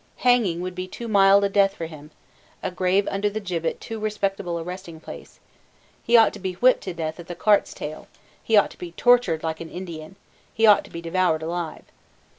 Hanging would be too mild a death for him: a grave under the gibbet too respectable a resting place: he ought to be whipped to death at the cart's tail: he ought to be tortured like an Indian: he ought to be devoured alive.